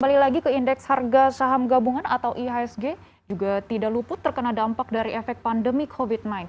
kembali lagi ke indeks harga saham gabungan atau ihsg juga tidak luput terkena dampak dari efek pandemi covid sembilan belas